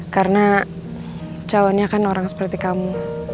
karena calonnya kan orang seperti kamu